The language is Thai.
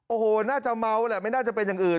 โอ้โหน่าจะเมาแหละไม่น่าจะเป็นอย่างอื่น